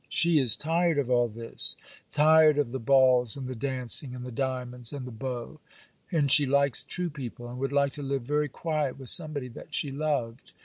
She is tired of all this; tired of the balls and the dancing, and the diamonds, and the beaux; and she likes true people, and would like to live very quiet with somebody that she loved.